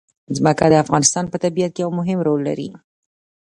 ځمکه د افغانستان په طبیعت کې یو مهم رول لري.